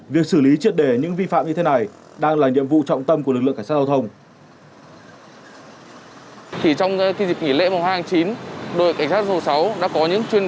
việc xử lý triệt đề những vi phạm như thế này đang là nhiệm vụ trọng tâm của lực lượng cảnh sát giao thông